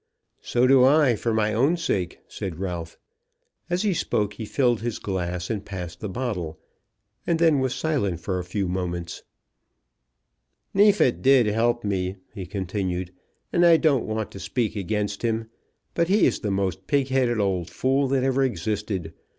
"So do I, for my own sake," said Ralph. As he spoke he filled his glass, and passed the bottle, and then was silent for a few moments. "Neefit did help me," he continued, "and I don't want to speak against him; but he is the most pig headed old fool that ever existed.